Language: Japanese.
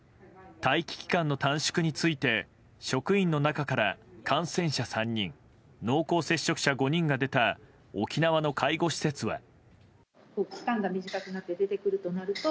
待機期間の短縮について職員の中から感染者３人濃厚接触者５人が出た沖縄の介護施設は。